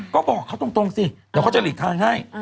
ก็บอกเขาตรงสิเดี๋ยวเขาจะหลีกทางให้